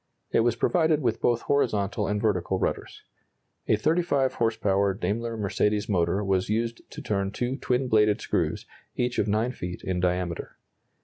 It was provided with both horizontal and vertical rudders. A 35 horse power Daimler Mercedes motor was used to turn two twin bladed screws, each of 9 feet in diameter.